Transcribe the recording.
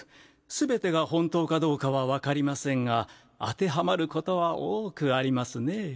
全てが本当かどうかは分かりませんが当てはまることは多くありますね。